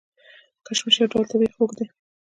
کشمش یو ډول طبیعي خوږ دی.